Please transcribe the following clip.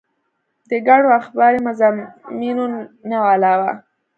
د ګڼو اخباري مضامينو نه علاوه